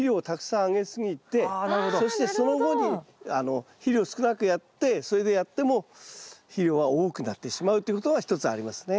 そしてその後に肥料を少なくやってそれでやっても肥料が多くなってしまうということが一つありますね。